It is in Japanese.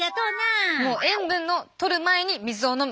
もう塩分をとる前に水を飲む。